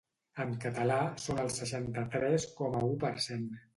En català són el seixanta-tres coma u per cent.